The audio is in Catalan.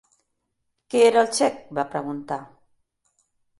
"Què era el xec?" va preguntar.